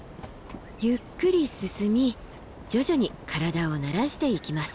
ゆっくり進み徐々に体を慣らしていきます。